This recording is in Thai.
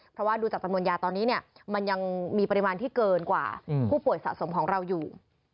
เพราะว่าดูจากจำนวนยาตอนนี้เนี่ยมันยังมีปริมาณที่เกินกว่าผู้ป่วยสะสมของเราอยู่